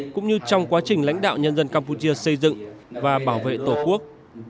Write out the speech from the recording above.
cũng như trong quá trình lãnh đạo nhân dân campuchia xây dựng và bảo vệ tổ quốc